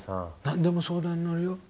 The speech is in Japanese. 何でも相談に乗るよ？